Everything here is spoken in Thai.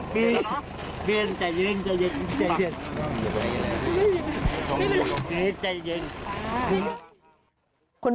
ป้าของน้องธันวาผู้ชมข่าวอ่อน